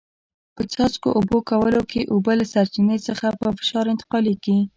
په څاڅکو اوبه کولو کې اوبه له سرچینې څخه په فشار انتقالېږي.